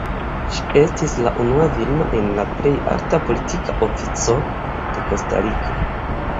Ŝi estis la unua virino en la plej alta politika ofico de Kostariko.